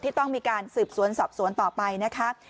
ต้องมีการสืบสวนสอบสวนต่อไปนะคะ